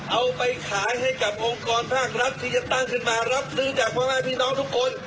เอาไปขายให้กับองค์กรภาครัฐที่จะตั้งขึ้นมารับซื้อจากพ่อแม่พี่น้องทุกคน